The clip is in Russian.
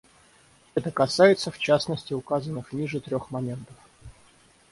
Это касается, в частности, указанных ниже трех моментов.